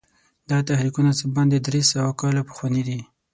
دا تحریکونه څه باندې درې سوه کاله پخواني دي.